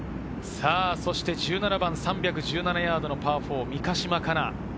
１７番、３１７ヤードのパー４、三ヶ島かな。